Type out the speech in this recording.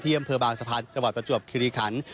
ที่อำเภอบางสะพานห฀ปจคิริคัณ